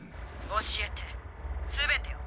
教えて全てを。